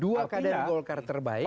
dua kadir golkar terbaik